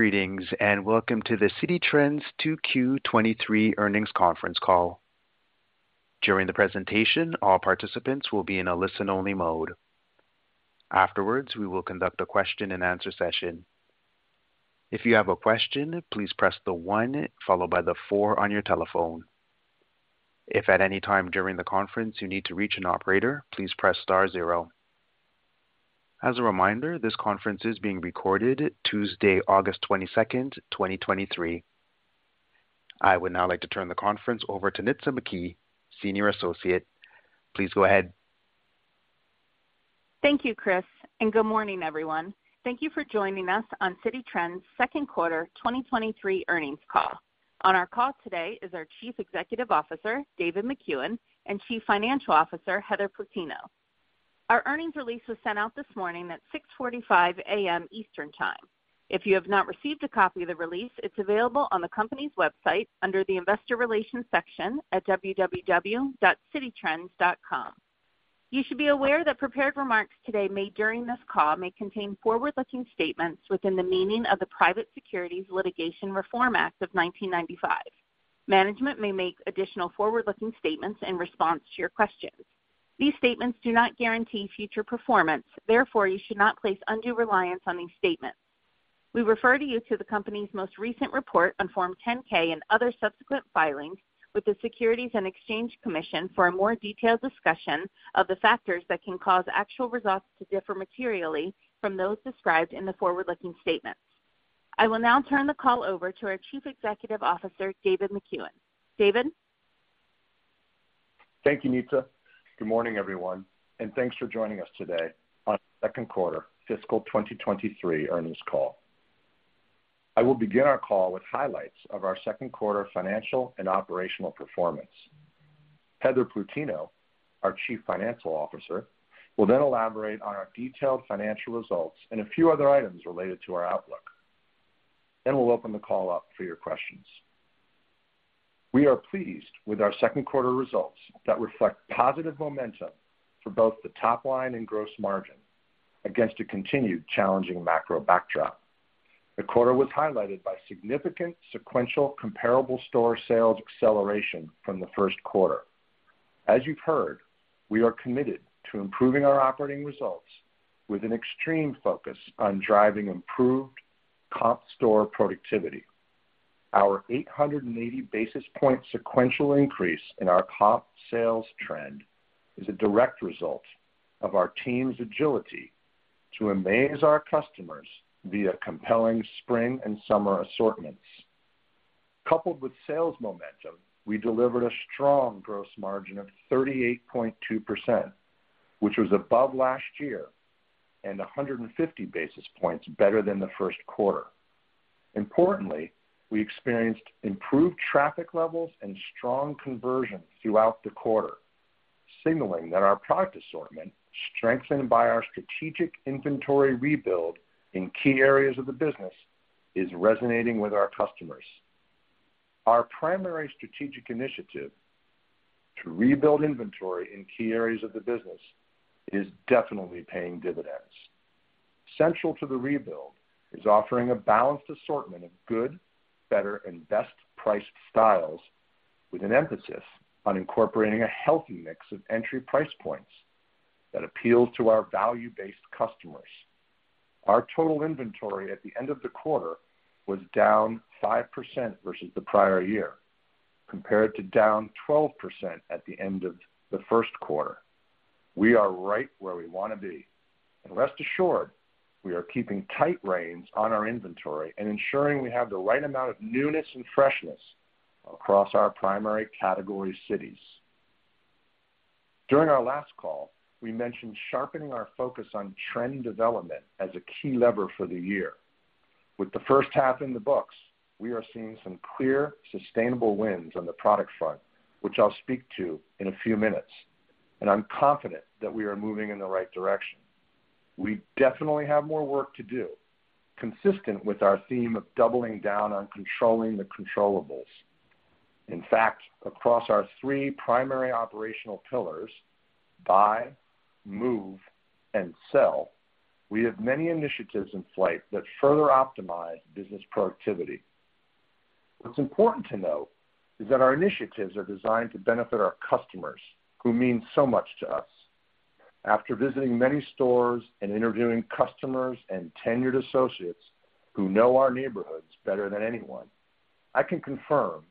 Greetings, welcome to the Citi Trends Q2 2023 Earnings Conference Call. During the presentation, all participants will be in a listen-only mode. Afterwards, we will conduct a question-and-answer session. If you have a question, please press the one followed by the four on your telephone. If at any time during the conference you need to reach an operator, please press star zero. As a reminder, this conference is being recorded Tuesday, August 22nd, 2023. I would now like to turn the conference over to Nitza McKee, Senior Associate. Please go ahead. Thank you, Chris. Good morning, everyone. Thank you for joining us on Citi Trends second quarter 2023 earnings call. On our call today is our Chief Executive Officer, David Makuen, and Chief Financial Officer, Heather Plutino. Our earnings release was sent out this morning at 6:45 A.M. Eastern Time. If you have not received a copy of the release, it's available on the company's website under the Investor Relations section at www.cititrends.com. You should be aware that prepared remarks today made during this call may contain forward-looking statements within the meaning of the Private Securities Litigation Reform Act of 1995. Management may make additional forward-looking statements in response to your questions. These statements do not guarantee future performance, therefore, you should not place undue reliance on these statements. We refer you to the company's most recent report on Form 10-K and other subsequent filings with the Securities and Exchange Commission for a more detailed discussion of the factors that can cause actual results to differ materially from those described in the forward-looking statements. I will now turn the call over to our Chief Executive Officer, David Makuen. David? Thank you, Nitza. Good morning, everyone, and thanks for joining us today on second quarter fiscal 2023 earnings call. I will begin our call with highlights of our second quarter financial and operational performance. Heather Plutino, our Chief Financial Officer, will then elaborate on our detailed financial results and a few other items related to our outlook. We'll open the call up for your questions. We are pleased with our second quarter results that reflect positive momentum for both the top line and gross margin against a continued challenging macro backdrop. The quarter was highlighted by significant sequential comparable store sales acceleration from the first quarter. As you've heard, we are committed to improving our operating results with an extreme focus on driving improved comp store productivity. Our 880 basis point sequential increase in our comp sales trend is a direct result of our team's agility to amaze our customers via compelling spring and summer assortments. Coupled with sales momentum, we delivered a strong gross margin of 38.2%, which was above last year and 150 basis points better than the first quarter. Importantly, we experienced improved traffic levels and strong conversion throughout the quarter, signaling that our product assortment, strengthened by our strategic inventory rebuild in key areas of the business, is resonating with our customers. Our primary strategic initiative to rebuild inventory in key areas of the business is definitely paying dividends. Central to the rebuild is offering a balanced assortment of good, better, and best priced styles, with an emphasis on incorporating a healthy mix of entry price points that appeal to our value-based customers. Our total inventory at the end of the quarter was down 5% versus the prior year, compared to down 12% at the end of the first quarter. We are right where we wanna be. Rest assured, we are keeping tight reins on our inventory and ensuring we have the right amount of newness and freshness across our primary category cities. During our last call, we mentioned sharpening our focus on trend development as a key lever for the year. With the first half in the books, we are seeing some clear, sustainable wins on the product front, which I'll speak to in a few minutes. I'm confident that we are moving in the right direction. We definitely have more work to do, consistent with our theme of doubling down on controlling the controllables. In fact, across our three primary operational pillars, buy, move, and sell, we have many initiatives in flight that further optimize business productivity. What's important to note is that our initiatives are designed to benefit our customers, who mean so much to us. After visiting many stores and interviewing customers and tenured associates who know our neighborhoods better than anyone, I can confirm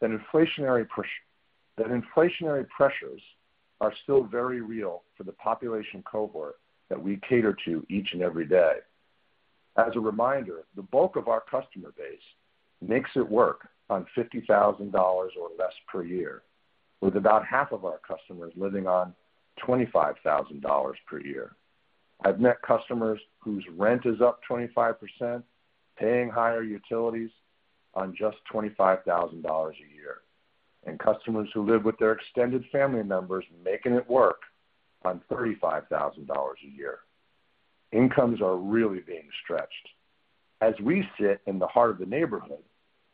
that inflationary pressures are still very real for the population cohort that we cater to each and every day. As a reminder, the bulk of our customer base makes it work on $50,000 or less per year, with about half of our customers living on $25,000 per year. I've met customers whose rent is up 25%, paying higher utilities on just $25,000 a year, and customers who live with their extended family members, making it work on $35,000 a year. Incomes are really being stretched. As we sit in the heart of the neighborhood,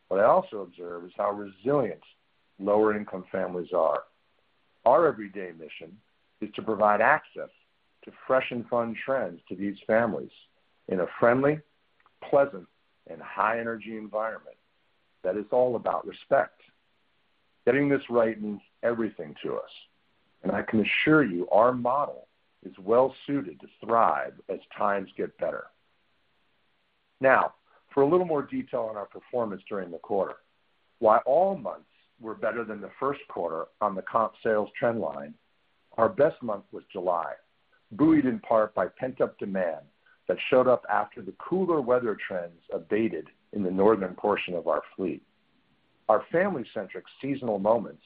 what I also observe is how resilient lower-income families are. Our everyday mission is to provide access to fresh and fun trends to these families in a friendly, pleasant, and high-energy environment that is all about respect. Getting this right means everything to us, and I can assure you our model is well suited to thrive as times get better. Now, for a little more detail on our performance during the quarter. While all months were better than the first quarter on the comp sales trend line, our best month was July, buoyed in part by pent-up demand that showed up after the cooler weather trends abated in the northern portion of our fleet. Our family-centric seasonal moments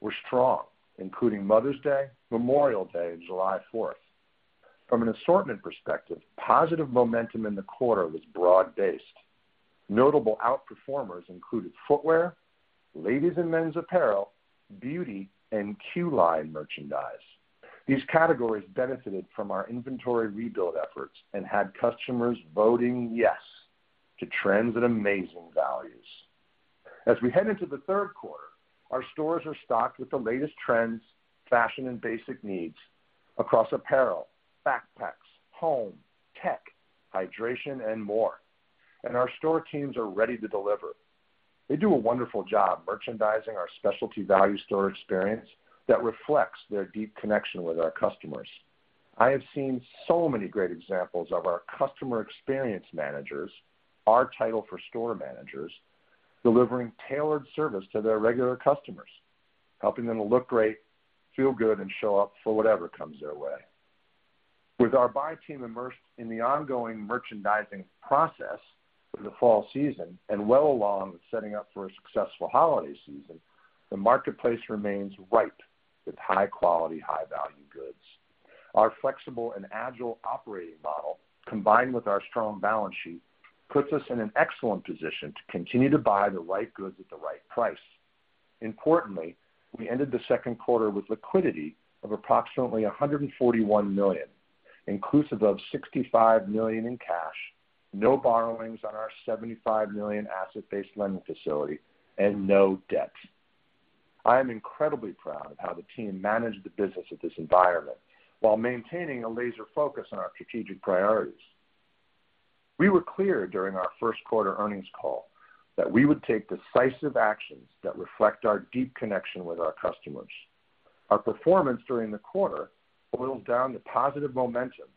were strong, including Mother's Day, Memorial Day, and July Fourth. From an assortment perspective, positive momentum in the quarter was broad-based. Notable outperformers included footwear, ladies and men's apparel, beauty, and Queue Line merchandise. These categories benefited from our inventory rebuild efforts and had customers voting yes to trends at amazing values. As we head into the third quarter, our stores are stocked with the latest trends, fashion, and basic needs across apparel, backpacks, home, tech, hydration, and more. Our store teams are ready to deliver. They do a wonderful job merchandising our specialty value store experience that reflects their deep connection with our customers. I have seen so many great examples of our customer experience managers, our title for store managers, delivering tailored service to their regular customers, helping them to look great, feel good, and show up for whatever comes their way. With our buy team immersed in the ongoing merchandising process for the fall season and well along with setting up for a successful holiday season, the marketplace remains ripe with high-quality, high-value goods. Our flexible and agile operating model, combined with our strong balance sheet, puts us in an excellent position to continue to buy the right goods at the right price. Importantly, we ended the second quarter with liquidity of approximately $141 million, inclusive of $65 million in cash, no borrowings on our $75 million asset-based lending facility, and no debt. I am incredibly proud of how the team managed the business of this environment while maintaining a laser focus on our strategic priorities. We were clear during our first quarter earnings call that we would take decisive actions that reflect our deep connection with our customers. Our performance during the quarter boils down to positive momentum,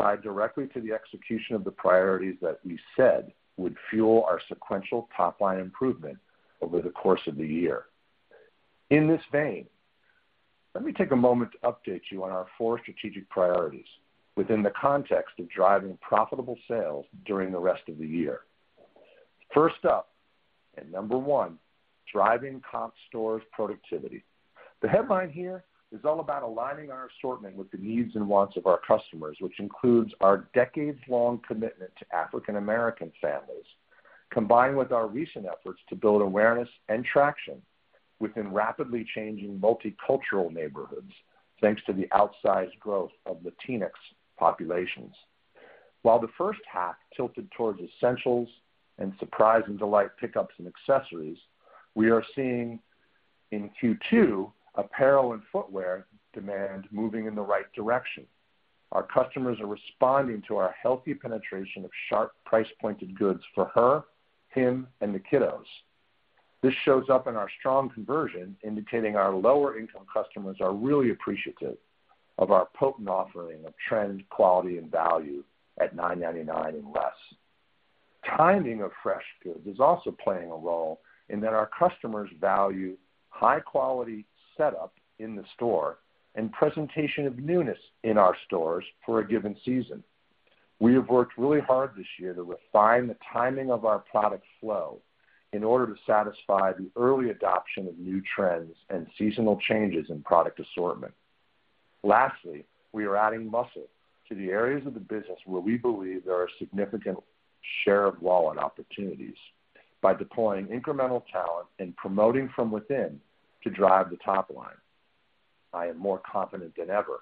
tied directly to the execution of the priorities that we said would fuel our sequential top-line improvement over the course of the year. In this vein, let me take a moment to update you on our four strategic priorities within the context of driving profitable sales during the rest of the year. First up, number one, driving comp store productivity. The headline here is all about aligning our assortment with the needs and wants of our customers, which includes our decades-long commitment to African American families, combined with our recent efforts to build awareness and traction within rapidly changing multicultural neighborhoods, thanks to the outsized growth of Latinx populations. While the first half tilted towards essentials and surprise and delight pickups and accessories, we are seeing in Q2, apparel and footwear demand moving in the right direction. Our customers are responding to our healthy penetration of sharp, price-pointed goods for her, him, and the kiddos. This shows up in our strong conversion, indicating our lower-income customers are really appreciative of our potent offering of trend, quality, and value at $9.99 and less. Timing of fresh goods is also playing a role in that our customers value high-quality setup in the store and presentation of newness in our stores for a given season. We have worked really hard this year to refine the timing of our product flow in order to satisfy the early adoption of new trends and seasonal changes in product assortment. Lastly, we are adding muscle to the areas of the business where we believe there are significant share of wallet opportunities by deploying incremental talent and promoting from within to drive the top line. I am more confident than ever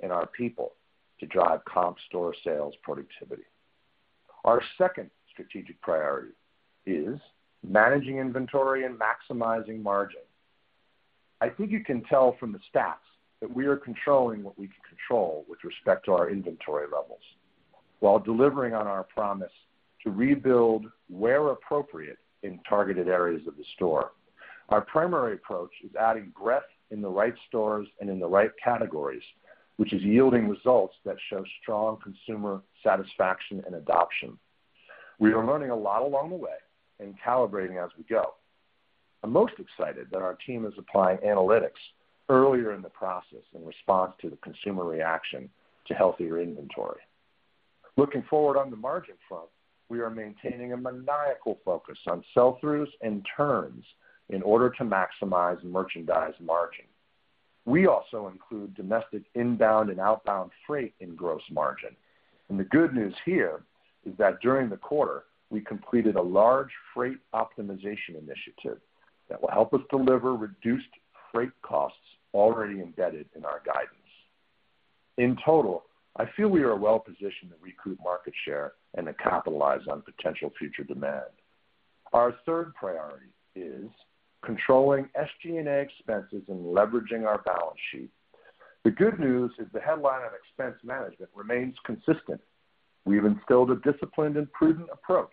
in our people to drive comp store sales productivity. Our second strategic priority is managing inventory and maximizing margin. I think you can tell from the stats that we are controlling what we can control with respect to our inventory levels, while delivering on our promise to rebuild where appropriate in targeted areas of the store. Our primary approach is adding breadth in the right stores and in the right categories, which is yielding results that show strong consumer satisfaction and adoption. We are learning a lot along the way and calibrating as we go. I'm most excited that our team is applying analytics earlier in the process in response to the consumer reaction to healthier inventory. Looking forward on the margin front, we are maintaining a maniacal focus on sell-throughs and turns in order to maximize merchandise margin. We also include domestic inbound and outbound freight in gross margin. The good news here is that during the quarter, we completed a large freight optimization initiative that will help us deliver reduced freight costs already embedded in our guidance. In total, I feel we are well positioned to recruit market share and to capitalize on potential future demand. Our third priority is controlling SG&A expenses and leveraging our balance sheet. The good news is the headline on expense management remains consistent. We've instilled a disciplined and prudent approach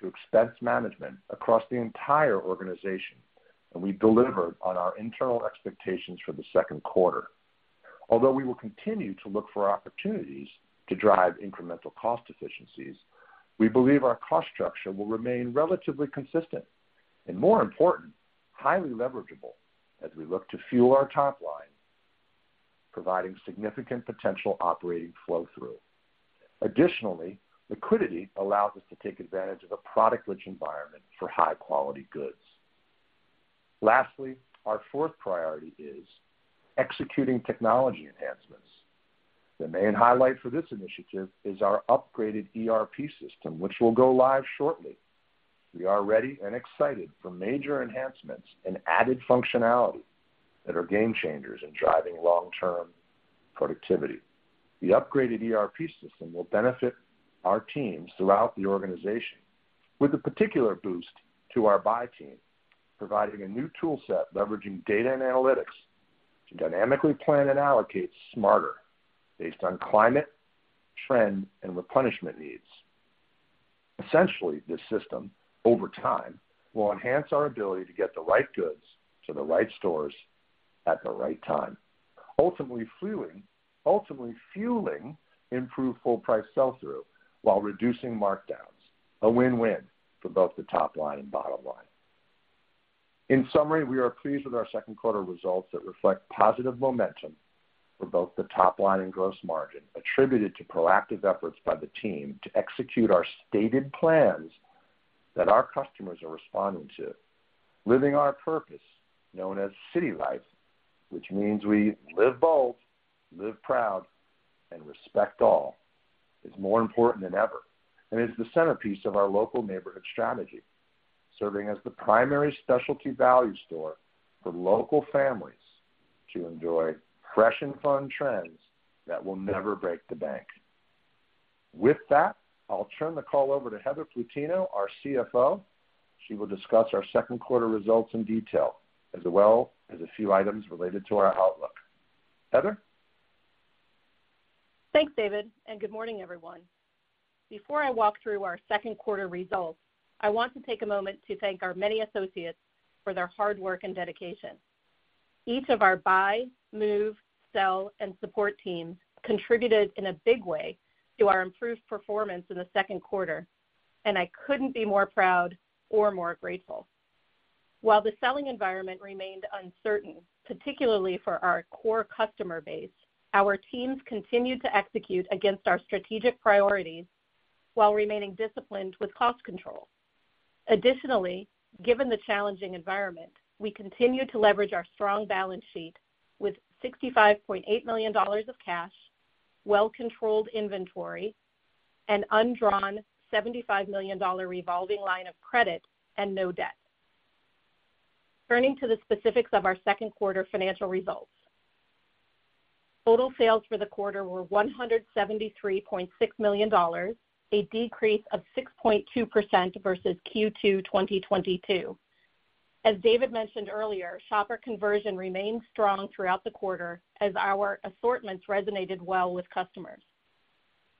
to expense management across the entire organization. We've delivered on our internal expectations for the second quarter. Although we will continue to look for opportunities to drive incremental cost efficiencies, we believe our cost structure will remain relatively consistent and, more important, highly leveragable as we look to fuel our top line, providing significant potential operating flow through. Additionally, liquidity allows us to take advantage of a product-rich environment for high-quality goods. Lastly, our fourth priority is executing technology enhancements. The main highlight for this initiative is our upgraded ERP system, which will go live shortly. We are ready and excited for major enhancements and added functionality that are game changers in driving long-term productivity. The upgraded ERP system will benefit our teams throughout the organization, with a particular boost to our buy team, providing a new tool set, leveraging data and analytics to dynamically plan and allocate smarter based on climate, trend, and replenishment needs. Essentially, this system, over time, will enhance our ability to get the right goods to the right stores at the right time, ultimately fueling, ultimately fueling improved full price sell-through while reducing markdowns, a win-win for both the top line and bottom line. In summary, we are pleased with our second quarter results that reflect positive momentum for both the top line and gross margin, attributed to proactive efforts by the team to execute our stated plans that our customers are responding to. Living our purpose, known as Citi Life, which means we live bold, live proud, and respect all, is more important than ever, and is the centerpiece of our local neighborhood strategy, serving as the primary specialty value store for local families to enjoy fresh and fun trends that will never break the bank. With that, I'll turn the call over to Heather Plutino, our CFO. She will discuss our second quarter results in detail, as well as a few items related to our outlook. Heather? Thanks, David. Good morning, everyone. Before I walk through our second quarter results, I want to take a moment to thank our many associates for their hard work and dedication. Each of our buy, move, sell, and support teams contributed in a big way to our improved performance in the second quarter. I couldn't be more proud or more grateful. While the selling environment remained uncertain, particularly for our core customer base, our teams continued to execute against our strategic priorities while remaining disciplined with cost control. Additionally, given the challenging environment, we continued to leverage our strong balance sheet with $65.8 million of cash, well-controlled inventory, undrawn $75 million revolving line of credit and no debt. Turning to the specifics of our second quarter financial results. Total sales for the quarter were $173.6 million, a decrease of 6.2% versus Q2 2022. As David mentioned earlier, shopper conversion remained strong throughout the quarter as our assortments resonated well with customers.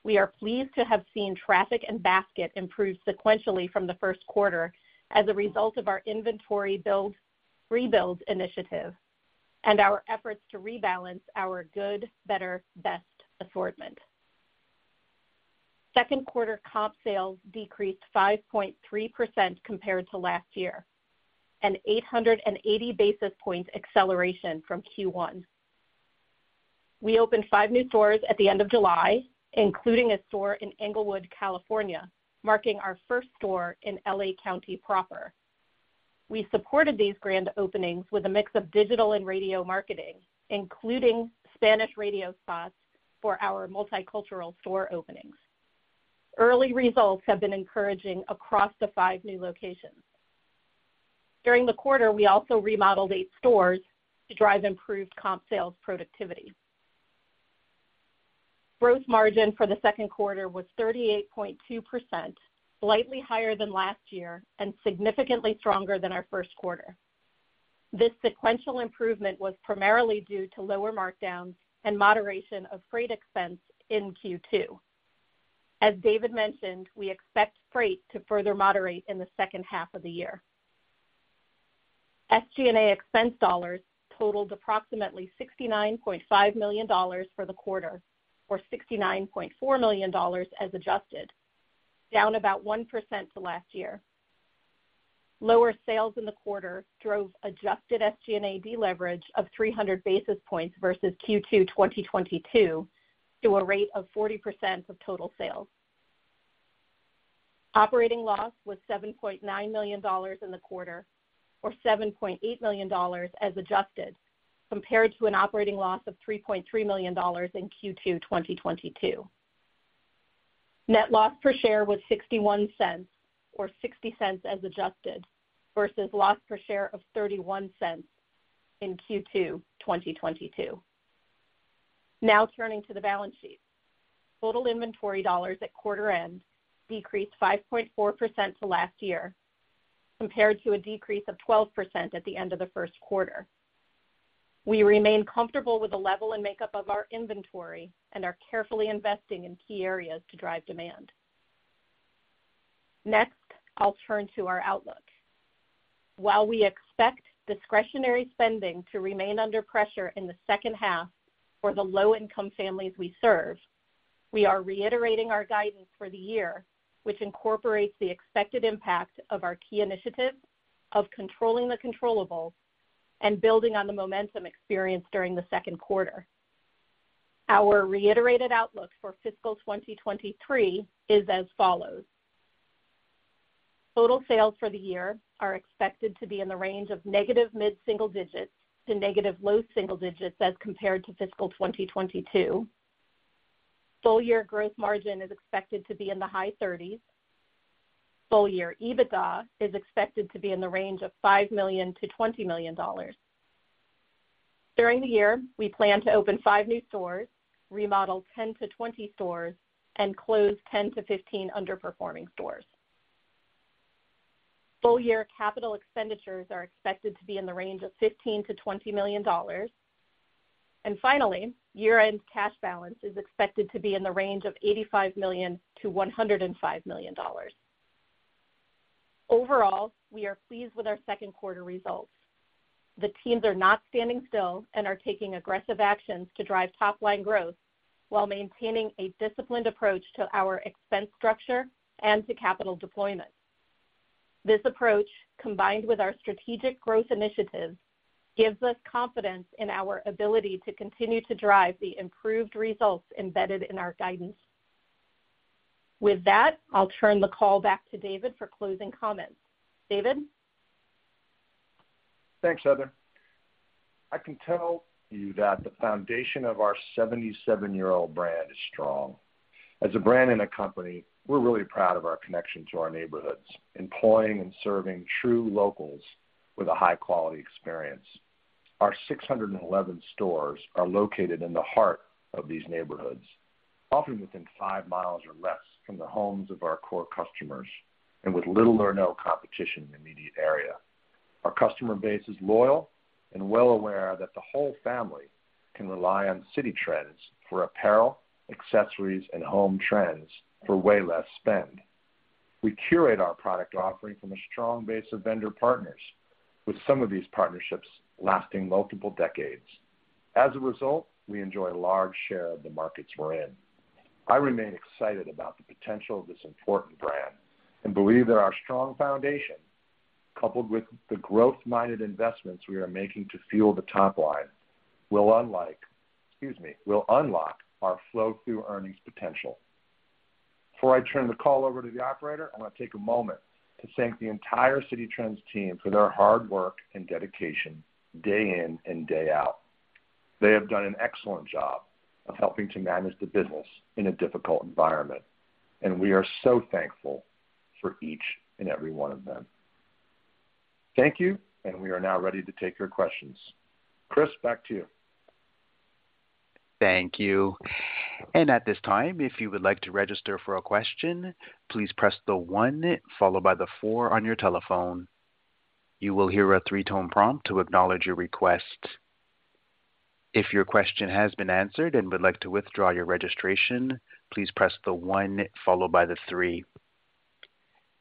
We are pleased to have seen traffic and basket improve sequentially from the first quarter as a result of our inventory rebuild initiative and our efforts to rebalance our good, better, best assortment. Second quarter comp sales decreased 5.3% compared to last year, an 880 basis points acceleration from Q1. We opened five new stores at the end of July, including a store in Inglewood, California, marking our first store in L.A. County proper. We supported these grand openings with a mix of digital and radio marketing, including Spanish radio spots for our multicultural store openings. Early results have been encouraging across the five new locations. During the quarter, we also remodeled eight stores to drive improved comp sales productivity. Gross margin for the second quarter was 38.2%, slightly higher than last year and significantly stronger than our first quarter. This sequential improvement was primarily due to lower markdowns and moderation of freight expense in Q2. As David mentioned, we expect freight to further moderate in the second half of the year. SG&A expense dollars totaled approximately $69.5 million for the quarter, or $69.4 million as adjusted, down about 1% to last year. Lower sales in the quarter drove adjusted SG&A deleverage of 300 basis points versus Q2 2022, to a rate of 40% of total sales. Operating loss was $7.9 million in the quarter, or $7.8 million as adjusted, compared to an operating loss of $3.3 million in Q2 2022. Net loss per share was $0.61, or $0.60 as adjusted, versus loss per share of $0.31 in Q2 2022. Turning to the balance sheet. Total inventory dollars at quarter end decreased 5.4% to last year, compared to a decrease of 12% at the end of the first quarter. We remain comfortable with the level and makeup of our inventory and are carefully investing in key areas to drive demand. Next, I'll turn to our outlook. While we expect discretionary spending to remain under pressure in the second half for the low-income families we serve, we are reiterating our guidance for the year, which incorporates the expected impact of our key initiatives of controlling the controllable and building on the momentum experienced during the second quarter. Our reiterated outlook for fiscal 2023 is as follows: Total sales for the year are expected to be in the range of negative mid-single digits to negative low single digits as compared to fiscal 2022. Full year growth margin is expected to be in the high 30s. Full year EBITDA is expected to be in the range of $5 million-$20 million. During the year, we plan to open five new stores, remodel 10 to 20 stores, and close 10 to 15 underperforming stores. Full year capital expenditures are expected to be in the range of $15 million-$20 million. Finally, year-end cash balance is expected to be in the range of $85 million-$105 million. Overall, we are pleased with our second quarter results. The teams are not standing still and are taking aggressive actions to drive top line growth while maintaining a disciplined approach to our expense structure and to capital deployment. This approach, combined with our strategic growth initiatives, gives us confidence in our ability to continue to drive the improved results embedded in our guidance. With that, I'll turn the call back to David for closing comments. David? Thanks, Heather. I can tell you that the foundation of our 77-year-old brand is strong. As a brand and a company, we're really proud of our connection to our neighborhoods, employing and serving true locals with a high-quality experience. Our 611 stores are located in the heart of these neighborhoods, often within five miles or less from the homes of our core customers, and with little or no competition in the immediate area. Our customer base is loyal and well aware that the whole family can rely on Citi Trends for apparel, accessories, and home trends for way less spend. We curate our product offering from a strong base of vendor partners, with some of these partnerships lasting multiple decades. As a result, we enjoy a large share of the markets we're in. I remain excited about the potential of this important brand and believe that our strong foundation, coupled with the growth-minded investments we are making to fuel the top line, Excuse me, will unlock our flow through earnings potential. Before I turn the call over to the operator, I want to take a moment to thank the entire Citi Trends team for their hard work and dedication day in and day out. They have done an excellent job of helping to manage the business in a difficult environment, we are so thankful for each and every one of them. Thank you, we are now ready to take your questions. Chris, back to you. Thank you. At this time, if you would like to register for a question, please press the one followed by the four on your telephone. You will hear a three-tone prompt to acknowledge your request. If your question has been answered and would like to withdraw your registration, please press the one followed by the three.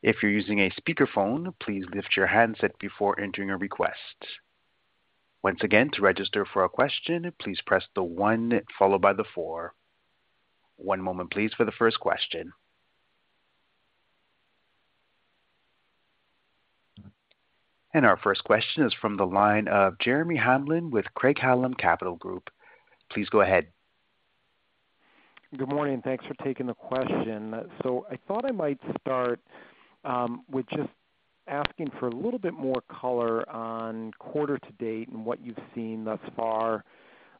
If you're using a speakerphone, please lift your handset before entering a request. Once again, to register for a question, please press the one followed by the four. One moment, please, for the first question. Our first question is from the line of Jeremy Hamblin with Craig-Hallum Capital Group. Please go ahead. Good morning, thanks for taking the question. I thought I might start with just asking for a little bit more color on quarter to date and what you've seen thus far,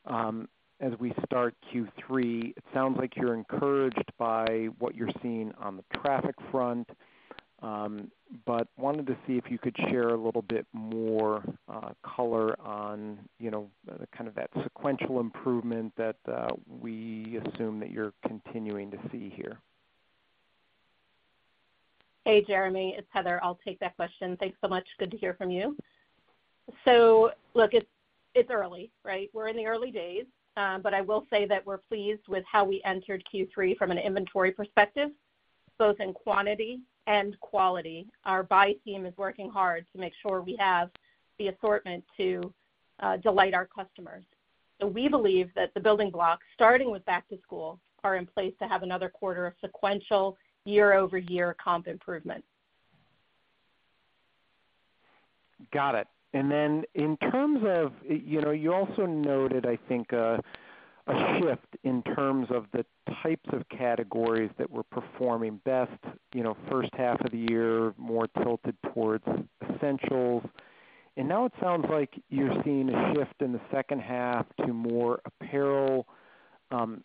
as we start Q3. It sounds like you're encouraged by what you're seeing on the traffic front, wanted to see if you could share a little bit more color on, you know, kind of that sequential improvement that we assume that you're continuing to see here. Hey, Jeremy, it's Heather. I'll take that question. Thanks so much. Good to hear from you. Look, it's, it's early, right? We're in the early days, but I will say that we're pleased with how we entered Q3 from an inventory perspective, both in quantity and quality. Our buy team is working hard to make sure we have the assortment to delight our customers. We believe that the building blocks, starting with back to school, are in place to have another quarter of sequential year-over-year comp improvement. Got it. Then in terms of, you know, you also noted, I think, a shift in terms of the types of categories that were performing best, you know, first half of the year, more tilted towards essentials. Now it sounds like you're seeing a shift in the second half to more apparel, and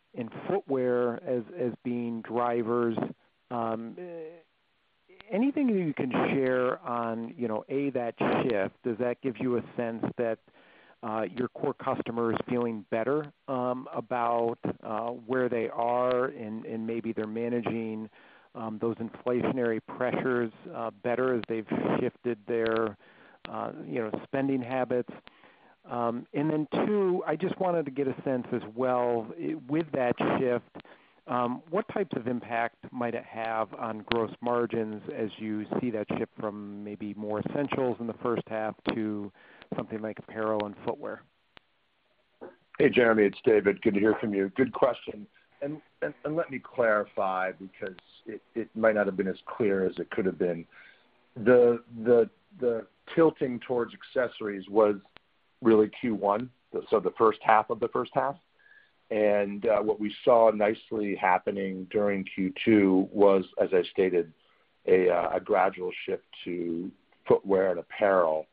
footwear as, as being drivers. Anything you can share on, you know, A, that shift? Does that give you a sense that, your core customer is feeling better, about, where they are, and, and maybe they're managing, those inflationary pressures, better as they've shifted their, you know, spending habits? Two, I just wanted to get a sense as well, with that shift, what types of impact might it have on gross margins as you see that shift from maybe more essentials in the first half to something like apparel and footwear? Hey, Jeremy, it's David. Good to hear from you. Good question, and, and, and let me clarify because it, it might not have been as clear as it could have been. The, the, the tilting towards accessories was really Q1, so the first half of the first half. What we saw nicely happening during Q2 was, as I stated, a gradual shift to footwear and apparel.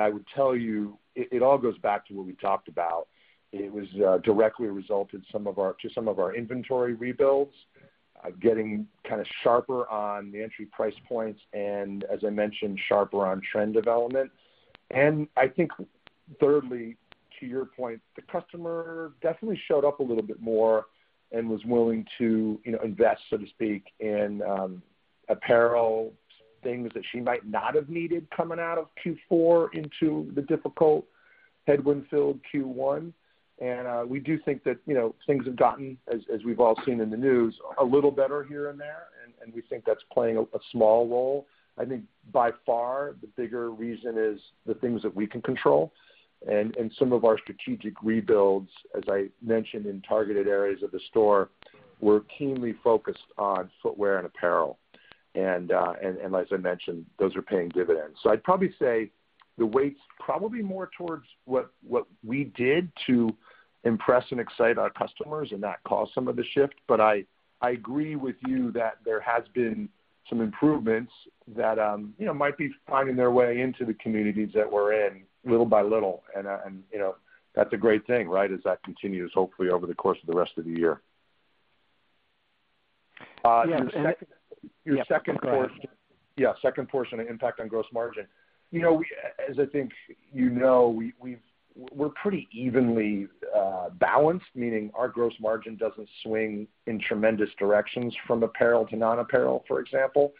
I would tell you, it, it all goes back to what we talked about. It was directly a result of some of our to some of our inventory rebuilds, getting kinda sharper on the entry price points and, as I mentioned, sharper on trend development. I think thirdly, to your point, the customer definitely showed up a little bit more and was willing to, you know, invest, so to speak, in apparel, things that she might not have needed coming out of Q4 into the difficult headwind-filled Q1. We do think that, you know, things have gotten, as, as we've all seen in the news, a little better here and there, and we think that's playing a, a small role. I think by far, the bigger reason is the things that we can control. Some of our strategic rebuilds, as I mentioned, in targeted areas of the store, were keenly focused on footwear and apparel. As I mentioned, those are paying dividends. I'd probably say the weight's probably more towards what, what we did to impress and excite our customers, and that caused some of the shift. I, I agree with you that there has been some improvements that, you know, might be finding their way into the communities that we're in little by little, and, you know, that's a great thing, right? As that continues, hopefully over the course of the rest of the year. Your second- Yeah. Your second portion- Go ahead. Yeah, second portion on impact on gross margin. You know, we, as I think you know, we, we're pretty evenly balanced, meaning our gross margin doesn't swing in tremendous directions from apparel to non-apparel, for example.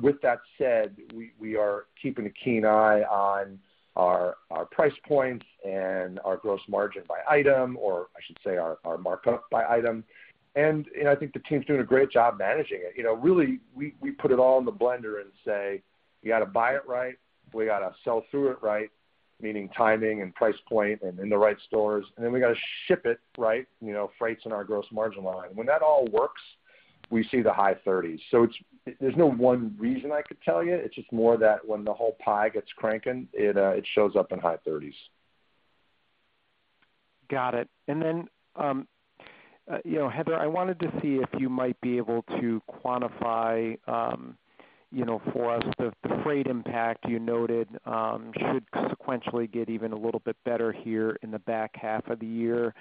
With that said, we, we are keeping a keen eye on our, our price points and our gross margin by item, or I should say, our, our markup by item. I think the team's doing a great job managing it. You know, really, we, we put it all in the blender and say, "We gotta buy it right. We gotta sell through it right," meaning timing and price point and in the right stores, "and then we gotta ship it right." You know, freight's in our gross margin line. When that all works, we see the high thirties. There's no one reason I could tell you. It's just more that when the whole pie gets cranking, it, it shows up in high thirties. Got it. Then, you know, Heather, I wanted to see if you might be able to quantify, you know, for us, the, the freight impact you noted, should sequentially get even a little bit better here in the back half of the year.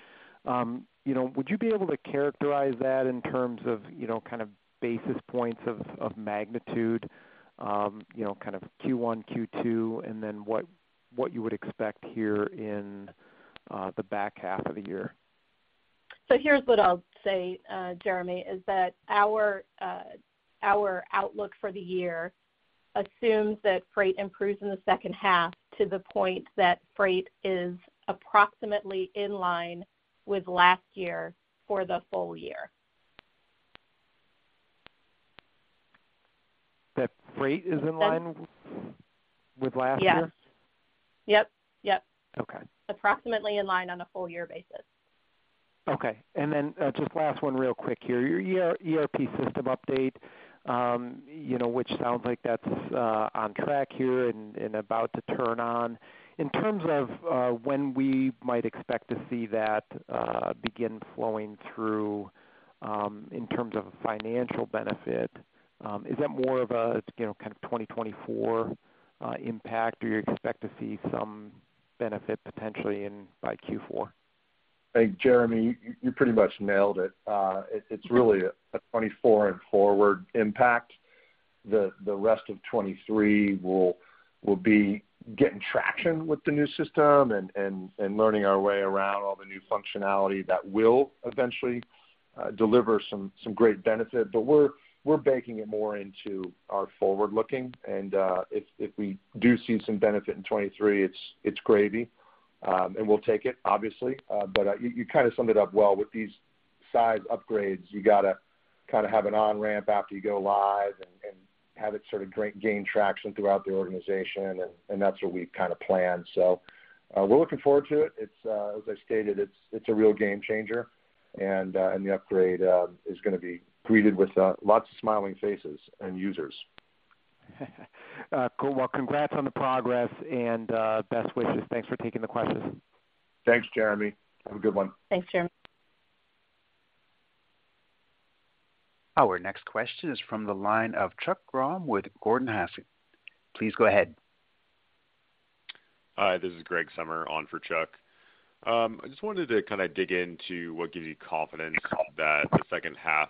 You know, would you be able to characterize that in terms of, you know, kind of basis points of, of magnitude, you know, kind of Q1, Q2, and then what, what you would expect here in the back half of the year? Here's what I'll say, Jeremy, is that our, our outlook for the year assumes that freight improves in the second half to the point that freight is approximately in line with last year for the full year. That freight is in line- Yes... with last year? Yep, yep. Okay. Approximately in line on a full year basis. Okay. Just last one real quick here. Your ERP system update, you know, which sounds like that's on track here and, and about to turn on. In terms of when we might expect to see that begin flowing through, in terms of financial benefit, is that more of a, you know, kind of 2024 impact, or you expect to see some benefit potentially by Q4? Hey, Jeremy, you, you pretty much nailed it. It's, it's really a 2024 and forward impact. The, the rest of 2023 will, will be getting traction with the new system and, and, and learning our way around all the new functionality that will eventually deliver some, some great benefit. But we're, we're baking it more into our forward-looking, and, if, if we do see some benefit in 2023, it's, it's gravy. And we'll take it, obviously, but you, you kinda summed it up well. With these size upgrades, you gotta kinda have an on-ramp after you go live and, and have it sort of gain traction throughout the organization, and, and that's what we've kinda planned. So, we're looking forward to it. It's, as I stated, it's, it's a real game changer, and, and the upgrade is gonna be greeted with lots of smiling faces and users. Cool. Well, congrats on the progress and best wishes. Thanks for taking the questions. Thanks, Jeremy. Have a good one. Thanks, Jeremy. Our next question is from the line of Chuck Grom with Gordon Haskett. Please go ahead. Hi, this is Greg Sommer on for Chuck. I just wanted to kind of dig into what gives you confidence that the second half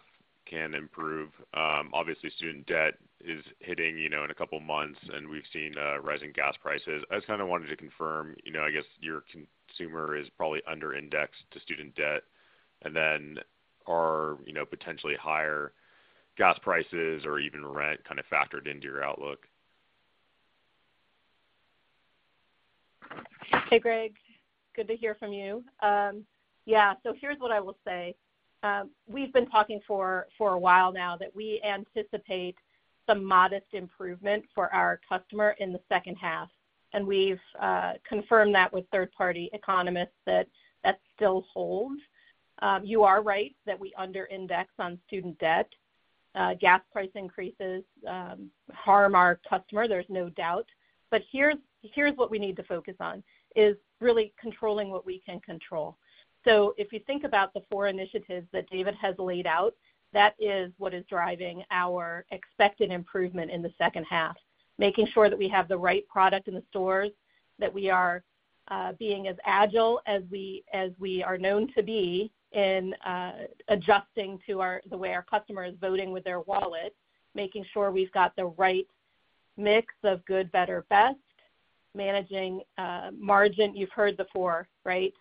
can improve. Obviously, student debt is hitting, you know, in a couple of months, and we've seen rising gas prices. I just kinda wanted to confirm, you know, I guess your consumer is probably under indexed to student debt, and then are, you know, potentially higher gas prices or even rent kinda factored into your outlook? Hey, Greg. Good to hear from you. Yeah, here's what I will say. We've been talking for, for a while now that we anticipate some modest improvement for our customer in the second half, and we've confirmed that with third-party economists that that still holds. You are right that we under index on student debt. Gas price increases harm our customer, there's no doubt, but here's, here's what we need to focus on, is really controlling what we can control. If you think about the four initiatives that David has laid out, that is what is driving our expected improvement in the second half. Making sure that we have the right product in the stores, that we are being as agile as we, as we are known to be in adjusting to the way our customer is voting with their wallet, making sure we've got the right mix of good, better, best, managing margin. You've heard the four, right?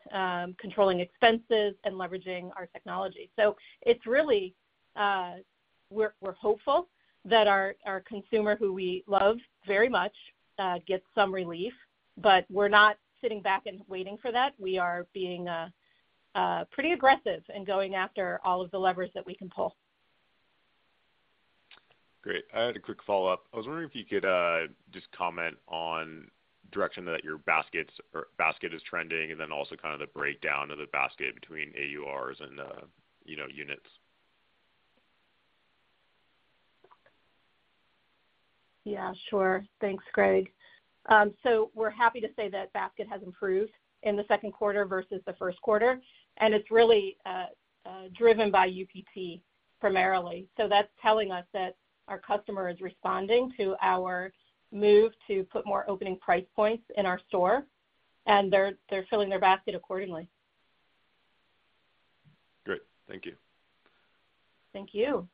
Controlling expenses and leveraging our technology. It's really, we're hopeful that our consumer, who we love very much, gets some relief, but we're not sitting back and waiting for that. We are being pretty aggressive in going after all of the levers that we can pull. Great. I had a quick follow-up. I was wondering if you could just comment on direction that your baskets or basket is trending, and then also kind of the breakdown of the basket between AUR and, you know, units. Yeah, sure. Thanks, Greg. We're happy to say that basket has improved in the second quarter versus the first quarter, and it's really driven by UPT primarily. That's telling us that our customer is responding to our move to put more opening price points in our store, and they're, they're filling their basket accordingly. Great. Thank you. Thank you.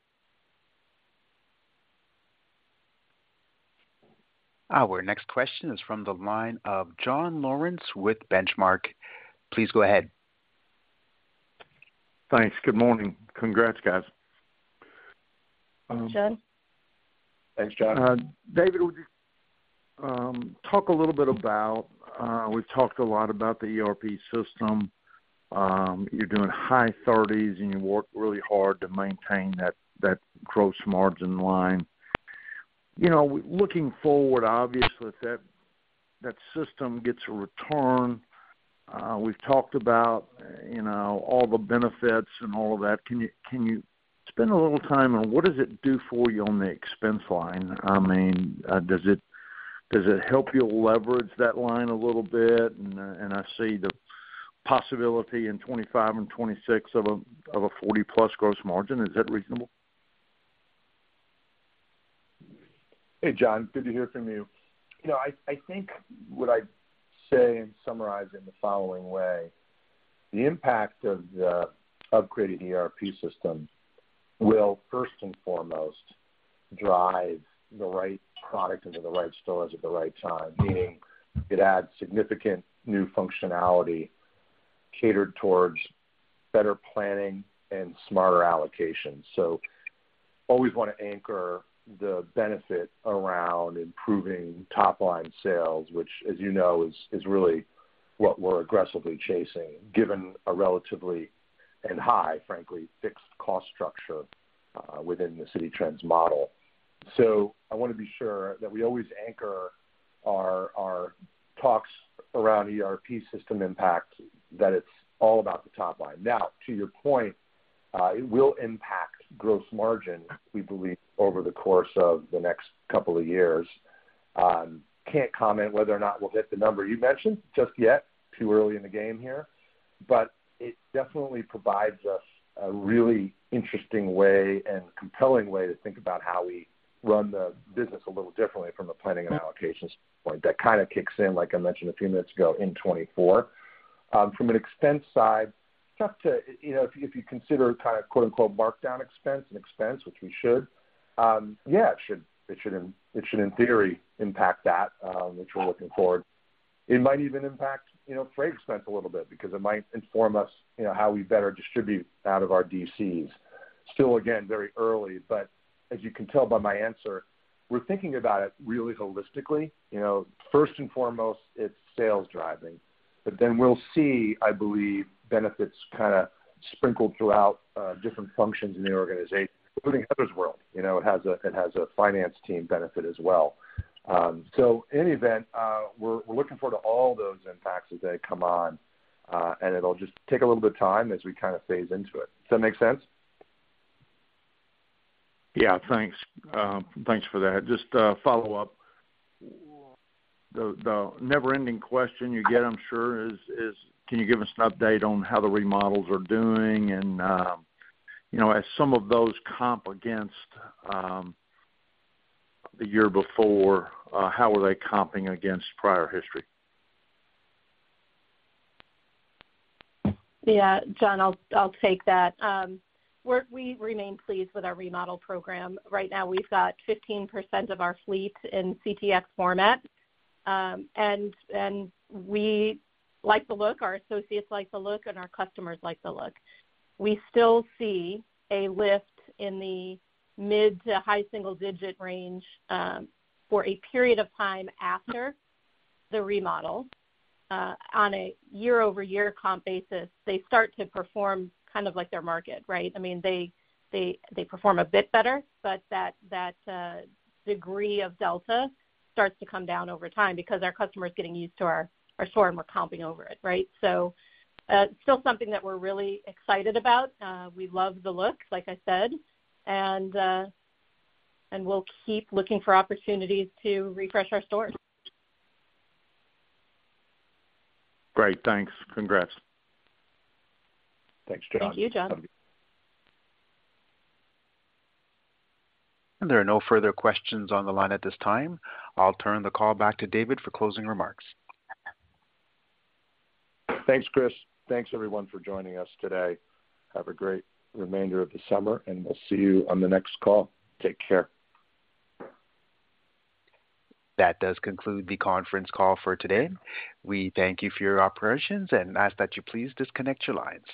Our next question is from the line of John Lawrence with Benchmark. Please go ahead. Thanks. Good morning. Congrats, guys. Jon. Thanks, Jon. David, would you talk a little bit about, we've talked a lot about the ERP system. You're doing high thirties, and you worked really hard to maintain that, that gross margin line. You know, looking forward, obviously, if that, that system gets a return, we've talked about, you know, all the benefits and all of that. Can you, can you spend a little time on what does it do for you on the expense line? I mean, does it, does it help you leverage that line a little bit? I see the possibility in 2025 and 2026 of a, of a 40+ gross margin. Is that reasonable? Hey, Jon, good to hear from you. You know, I, I think what I'd say and summarize in the following way: the impact of the upgraded ERP system will first and foremost drive the right product into the right stores at the right time, meaning it adds significant new functionality catered towards better planning and smarter allocation. Always wanna anchor the benefit around improving top-line sales, which, as you know, is, is really what we're aggressively chasing, given a relatively and high, frankly, fixed cost structure within the Citi Trends model. I wanna be sure that we always anchor our, our talks around ERP system impact, that it's all about the top line. Now, to your point, it will impact gross margin, we believe, over the course of the next couple of years. Can't comment whether or not we'll hit the number you mentioned just yet, too early in the game here, but it definitely provides us a really interesting way and compelling way to think about how we run the business a little differently from a planning and allocations point. That kind of kicks in, like I mentioned a few minutes ago, in 2024. From an expense side, just to, you know, if you, if you consider kinda quote, unquote, "markdown expense" an expense, which we should, yeah, it should, it should in theory, impact that, which we're looking forward. It might even impact, you know, freight expense a little bit because it might inform us, you know, how we better distribute out of our DCs. Still, again, very early, but as you can tell by my answer, we're thinking about it really holistically. You know, first and foremost, it's sales driving, but then we'll see, I believe, benefits kinda sprinkled throughout, different functions in the organization, including Heather's world. You know, it has a, it has a finance team benefit as well. In any event, we're, we're looking forward to all those impacts as they come on. It'll just take a little bit of time as we kind of phase into it. Does that make sense? Yeah, thanks. Thanks for that. Just a follow-up. The, the never-ending question you get, I'm sure, is, is: can you give us an update on how the remodels are doing? And, you know, as some of those comp against the year before, how are they comping against prior history? Yeah, Jon, I'll, I'll take that. We remain pleased with our remodel program. Right now, we've got 15% of our fleet in CTx format. we like the look, our associates like the look, and our customers like the look. We still see a lift in the mid to high single digit range for a period of time after the remodel. On a year-over-year comp basis, they start to perform kind of like their market, right? I mean, they, they, they perform a bit better, but that, that degree of delta starts to come down over time because our customer is getting used to our, our store, and we're comping over it, right? still something that we're really excited about. We love the look, like I said, and we'll keep looking for opportunities to refresh our stores. Great, thanks. Congrats. Thanks, Jon. Thank you, Jon. There are no further questions on the line at this time. I'll turn the call back to David for closing remarks. Thanks, Chris. Thanks, everyone, for joining us today. Have a great remainder of the summer, and we'll see you on the next call. Take care. That does conclude the conference call for today. We thank you for your operations and ask that you please disconnect your lines.